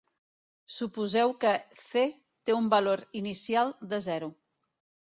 Suposeu que "c" té un valor inicial de zero.